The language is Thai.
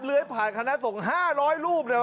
เลื้อยผ่านขณะศพ๕๐๐รูป